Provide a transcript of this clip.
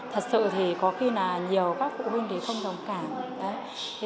thật sự thì có khi là nhiều các phụ huynh thì không đồng cảm